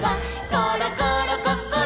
「ころころこころ